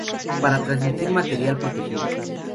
para transmitir material protegido